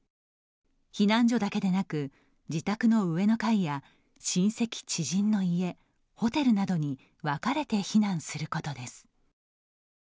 避難所だけでなく自宅の上の階や親戚、知人の家ホテルなどに分かれて避難することです。